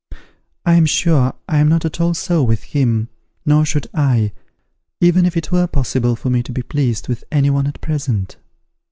I am sure I am not at all so with him, nor should I, even if it were possible for me to be pleased with any one at present.